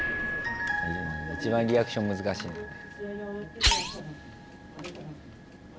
一番リアクション難しいんだよね。